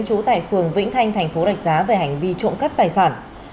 trú tại phường vĩnh thanh tp đạch giá về hành vi trộm cấp tài sản